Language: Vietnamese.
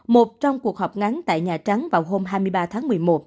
một trong cuộc họp ngắn tại nhà trắng vào hôm hai mươi ba tháng một mươi một